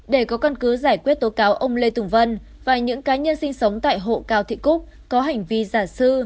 để có căn cứ giải quyết tố cáo ông lê tùng vân và những cá nhân sinh sống tại hộ cao thị cúc có hành vi giả sư